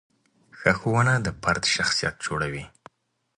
ښه ښوونه د فرد شخصیت جوړوي.